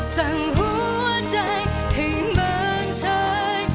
สั่งหัวใจที่เหมือนฉัน